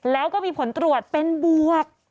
แล้วก็มีผลตรวจเป็นบวก